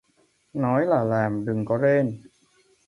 Nói làm là làm, đừng có rên